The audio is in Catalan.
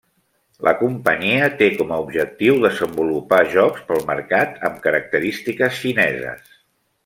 La companyia té com a objectiu desenvolupar jocs pel mercat amb característiques xineses.